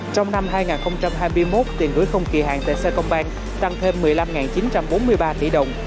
trong năm hai nghìn hai mươi một tiền gửi không kỳ hạn tại sài gòn tăng thêm một mươi năm chín trăm bốn mươi ba tỷ đồng